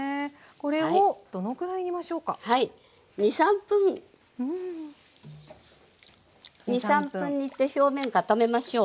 ２３分２３分煮て表面固めましょう。